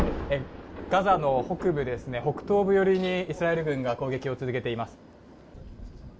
ガザの北東部寄りにイスラエル軍が攻撃を続けています。